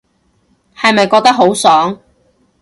係咪覺得好爽